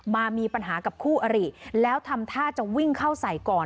มามีปัญหากับคู่อริแล้วทำท่าจะวิ่งเข้าใส่ก่อน